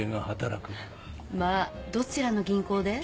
まあどちらの銀行で？